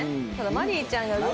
マリーちゃんだな。